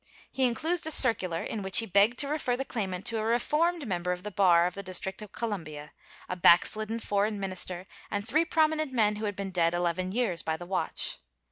He inclosed a circular in which he begged to refer the claimant to a reformed member of the bar of the District of Columbia, a backslidden foreign minister and three prominent men who had been dead eleven years by the watch.